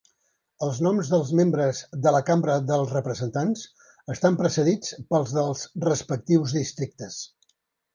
Els noms dels membres de la Cambra dels Representants estan precedits pels dels respectius districtes.